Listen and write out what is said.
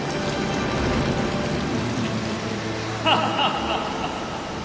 ハハハハハ！